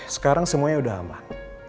sekarang semuanya sudah aman